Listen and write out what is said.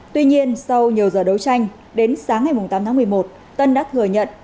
tuy nhiên sau nhiều giờ đấu tranh đến sáng ngày tám tháng một mươi một tân đã thừa nhận